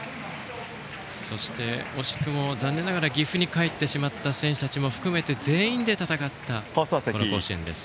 そして、惜しくも岐阜に帰ってしまった選手たちも含め全員で戦った甲子園です。